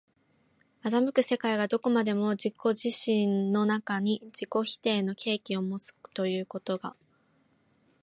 斯く世界がどこまでも自己自身の中に自己否定の契機をもつということが、